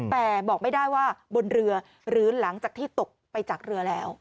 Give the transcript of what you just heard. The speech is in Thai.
แต่บอกไม่ได้ว่าบนเรือหรือหลังจากที่ตกไปจากเรือแล้ว